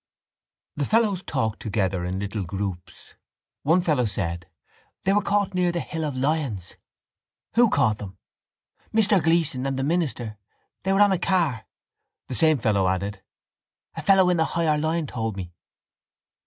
The fellows talked together in little groups. One fellow said: —They were caught near the Hill of Lyons. —Who caught them? —Mr Gleeson and the minister. They were on a car. The same fellow added: —A fellow in the higher line told me.